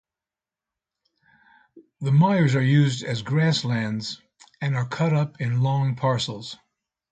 The mires are used as grassland and are cut up in long parcels.